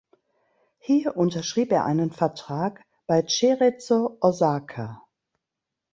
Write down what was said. Hier unterschrieb er einen Vertrag bei Cerezo Osaka.